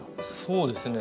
そうですね。